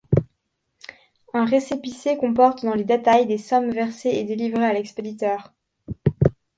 Un récépissé comporte dans le détail des sommes versées est délivré à l'expéditeur.